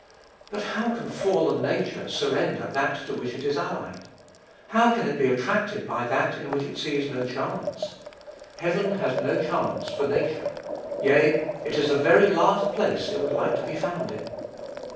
But how can fallen nature surrender that to which it is allied? How can it be attracted by that in which it sees no charms? Heaven has no charms for nature; yea, it is the very last place it would like to be found in.